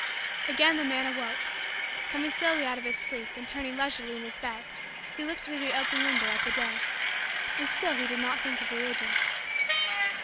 Again the man awoke. Coming slowly out of his sleep and turning leisurely in his bed he looked through the open window at the day. And still he did not think of Religion.